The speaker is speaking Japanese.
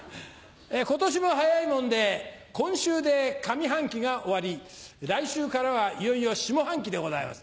今年も早いもんで今週で上半期が終わり来週からはいよいよ下半期でございます。